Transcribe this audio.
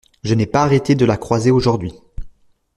Je n’ai pas arrêté de la croiser aujourd’hui.